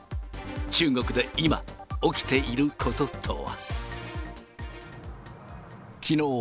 中国で今、起きていることとは。